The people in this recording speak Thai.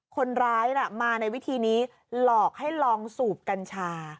คนร้ายมาในวิธีนี้หลอกให้ลองสูบกัญชา